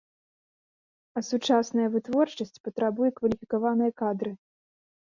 А сучасная вытворчасць патрабуе кваліфікаваныя кадры.